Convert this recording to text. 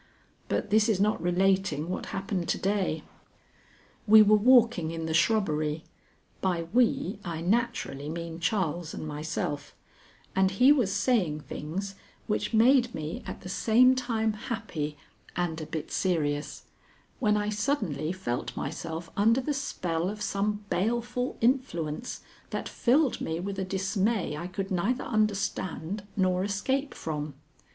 But this is not relating what happened to day. We were walking in the shrubbery (by we I naturally mean Charles and myself), and he was saying things which made me at the same time happy and a bit serious, when I suddenly felt myself under the spell of some baleful influence that filled me with a dismay I could neither understand nor escape from.